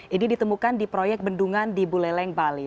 ini ditemukan di proyek bendungan di buleleng bali